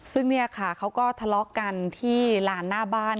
ซึ่งเนี่ยค่ะเขาก็ทะเลาะกันที่ลานหน้าบ้าน